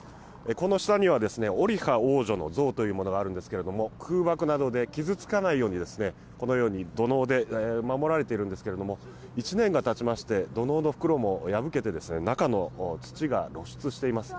この下にはオリハ王女の像というものがあるんですけれども空爆などで傷つかないように、このように土のうで守られているんですけど、１年がたちまして土のうの袋も破けて中の土が露出しています。